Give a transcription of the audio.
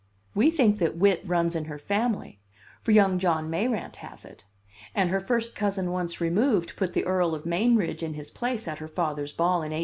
We think that wit runs in her family, for young John Mayrant has it; and her first cousin once removed put the Earl of Mainridge in his place at her father's ball in 1840.